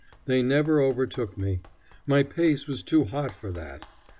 They never overtook me. My pace was too hot for that.